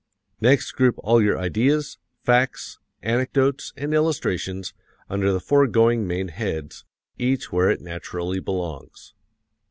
Next group all your ideas, facts, anecdotes, and illustrations under the foregoing main heads, each where it naturally belongs.